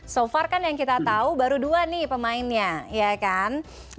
so far kan yang kita tahu baru dua nih pemainnya ya kan